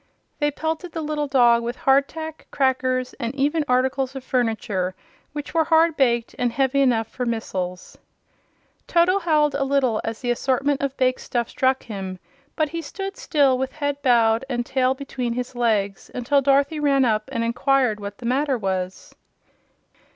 They pelted the little dog with hard tack, crackers, and even articles of furniture which were hard baked and heavy enough for missiles. Toto howeled a little as the assortment of bake stuff struck him; but he stood still, with head bowed and tail between his legs, until Dorothy ran up and inquired what the matter was.